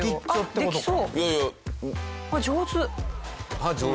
届きそう。